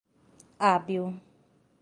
hábil